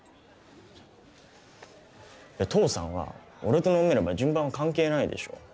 父さんは俺と飲めれば順番は関係ないでしょ。